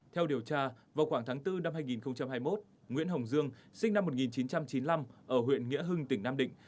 theo điều tra vào khoảng tháng bốn năm hai nghìn hai mươi một nguyễn hồng dương sinh năm một nghìn chín trăm chín mươi năm ở huyện nghĩa hưng tỉnh nam định